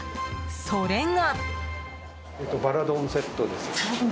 それが。